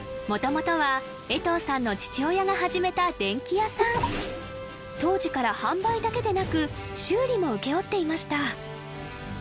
元々は江藤さんの父親が始めた電気屋さん当時から販売だけでなく修理も請け負っていました